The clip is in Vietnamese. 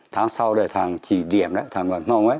tháng sau đấy thằng chỉ điểm đấy thằng văn mông ấy